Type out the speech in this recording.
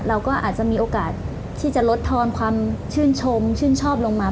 เราก็อาจจะมีโอกาสที่จะลดทอนความชื่นชมชื่นชอบลงมา